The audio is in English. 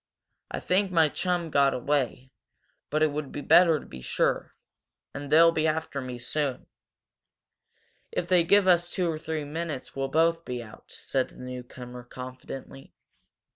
"I think my chum got away, but it would be better to be sure. And they'll be after me soon." "If they give us two or three minutes we'll both get out," said the newcomer, confidently.